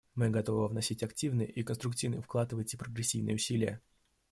Мы готовы вносить активный и конструктивный вклад в эти прогрессивные усилия.